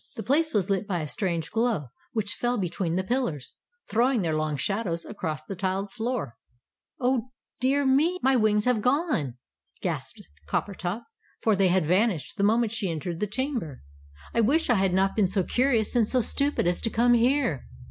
The place was lit by a strange glow which fell between the pillars, throwing their long shadows across the tiled floor. "Oh, dear! My wings have gone!" gasped Coppertop, for they had vanished the moment she entered the chamber; "I wish I had not been so curious and stupid as to come here!"